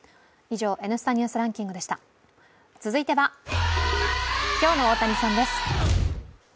続いては、今日の大谷さんです。